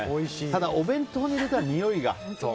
ただ、お弁当に入れたらにおいが。